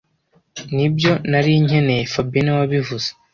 Nibyo nari nkeneye fabien niwe wabivuze